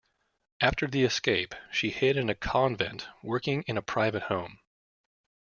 After the escape she hid in a convent, working in a private home.